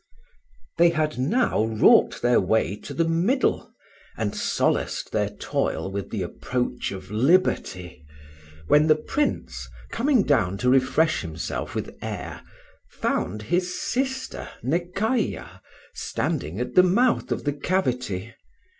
THEY had now wrought their way to the middle, and solaced their toil with the approach of liberty, when the Prince, coming down to refresh himself with air, found his sister Nekayah standing at the mouth of the cavity.